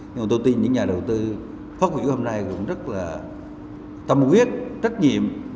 nhưng mà tôi tin những nhà đầu tư phát huy hôm nay cũng rất là tâm quyết trách nhiệm